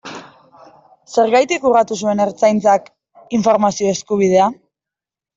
Zergatik urratu zuen Ertzaintzak informazio eskubidea?